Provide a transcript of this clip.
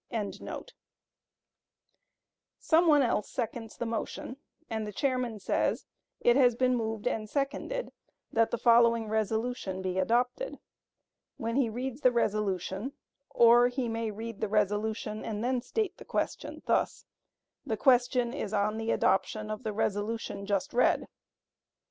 ] Some one else seconds the motion, and the chairman says, "It has been moved and seconded that the following resolution be adopted," when he reads the resolution; or he may read the resolution and then state the question thus: "The question is on the adoption of the resolution just read."